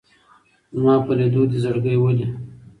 زما په ليدو دي زړګى ولي